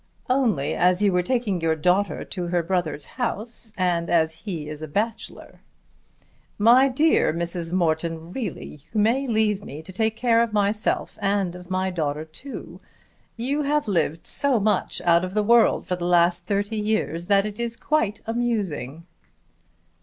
"Only as you were taking your daughter to her brother's house, and as he is a bachelor." "My dear Mrs. Morton, really you may leave me to take care of myself and of my daughter too. You have lived so much out of the world for the last thirty years that it is quite amusing."